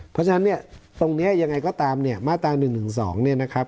เพราะฉะนั้นเนี่ยตรงนี้ยังไงก็ตามเนี่ยมาตรา๑๑๒เนี่ยนะครับ